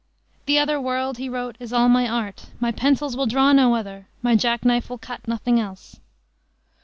"The other world," he wrote, "is all my art: my pencils will draw no other: my jackknife will cut nothing else."